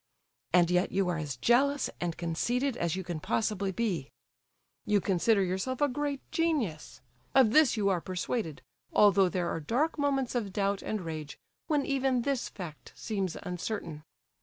And yet you are as jealous and conceited as you can possibly be; you consider yourself a great genius; of this you are persuaded, although there are dark moments of doubt and rage, when even this fact seems uncertain.